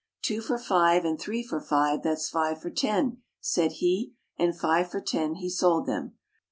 "Two for five, and three for five, that's five for ten," said he, and five for ten he sold them.